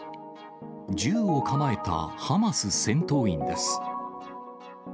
銃を構えたハマス戦闘員です。